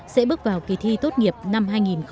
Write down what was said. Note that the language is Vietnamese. sẽ bước vào kỳ thi tốt nghiệp năm hai nghìn hai mươi